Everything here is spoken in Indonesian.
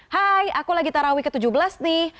hai aku lagi tarawih ke tujuh belas nih